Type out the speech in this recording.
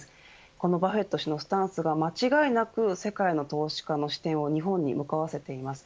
このバフェット氏のスタンスが間違いなく世界の投資家の視点を日本に向かわせています。